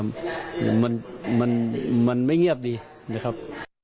มันไม่งี้อัพดีนะครับ